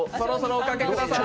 おかけくださーい！